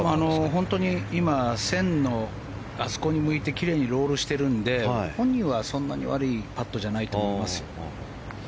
本当に今、線のあそこに向いてきれいにロールしてるので本人はそんなに悪いパットじゃないと思いますよ。